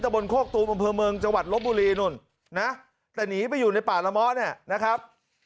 บนโคกตูมอำเภอเมืองจังหวัดลบบุรีนู่นนะแต่หนีไปอยู่ในป่าละเมาะเนี่ยนะครับ